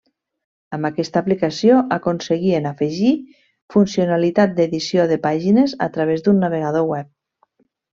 Amb aquesta aplicació aconseguien afegir funcionalitat d'edició de pàgines a través d'un navegador web.